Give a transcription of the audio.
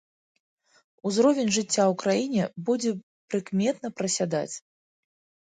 Узровень жыцця ў краіне будзе прыкметна прасядаць.